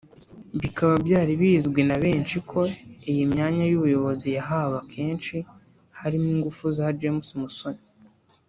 Bikaba byari bizwi na benshi ko iyi manya y’ubuyobozi yayihawe akenshi harimo ingufu za James Musoni